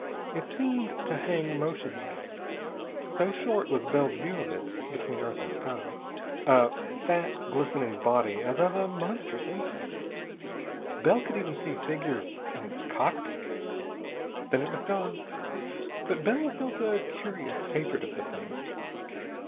It seemed to hang motionless so short was Bell's view of it between earth and sky: a fat glistening body as of a monstrous insect. Bell could even see figures in its cockpits. Then it was gone, but Bell felt a curious hatred of the thing.